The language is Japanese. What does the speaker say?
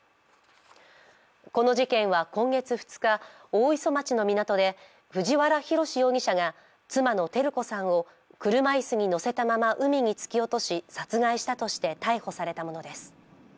この事件は今月２日、大磯町の港で藤原宏容疑者が妻の照子さんを車いすに乗せたまま海に突き落とし、殺害したとして逮捕されたものです。